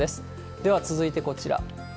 では続いてこちら。